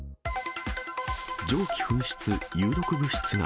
蒸気噴出、有毒物質が。